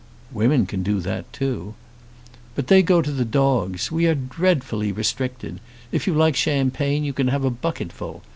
"Women can do that too." "But they go to the dogs. We are dreadfully restricted. If you like champagne you can have a bucketful.